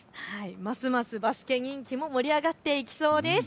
ますますバスケ人気も盛り上がっていきそうです。